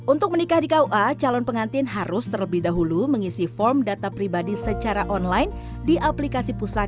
untuk menikah di kua calon pengantin harus terlebih dahulu mengisi form data pribadi secara online di aplikasi pusat